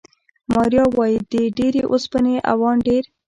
ماریا وايي، د ډېرې اوسپنې او ان ډېر